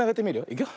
いくよ。